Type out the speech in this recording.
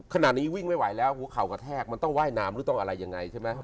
ขณะนี้วิ่งไม่ไหวแล้วหัวเข่ากระแทกมันต้องว่ายน้ำหรือต้องอะไรยังไงใช่ไหม